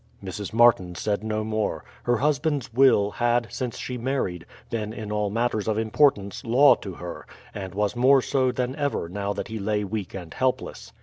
Mrs. Martin said no more; her husband's will had, since she married, been in all matters of importance law to her, and was more so than ever now that he lay weak and helpless.